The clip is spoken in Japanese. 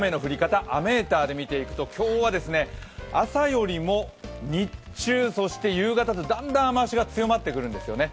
雨ーターで見ていくと、今日は朝よりも日中、そして夕方とだんだん雨足が強まってくるんですね。